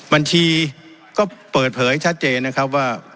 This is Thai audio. บัญชีก็เปิดเผยชัดเจนนะครับว่า